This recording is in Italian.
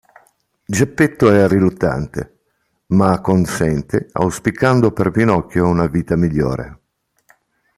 Geppetto è riluttante, ma acconsente auspicando per Pinocchio una vita migliore.